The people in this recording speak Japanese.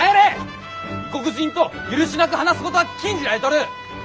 異国人と許しなく話すことは禁じられとる。